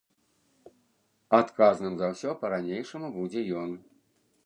Адказным за ўсё па-ранейшаму будзе ён.